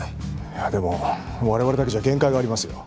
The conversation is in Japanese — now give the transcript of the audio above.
いやでも我々だけじゃ限界がありますよ